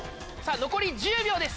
残り１０秒です。